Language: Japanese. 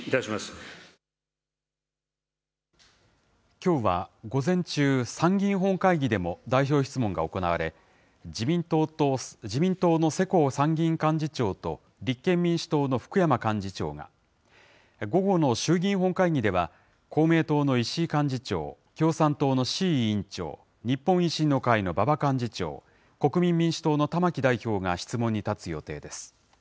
きょうは午前中、参議院本会議でも代表質問が行われ、自民党の世耕参議院幹事長と、立憲民主党の福山幹事長が、午後の衆議院本会議では、公明党の石井幹事長、共産党の志位委員長、日本維新の会の馬場幹事長、国民民主党の玉木代表が質問に立つ予定です。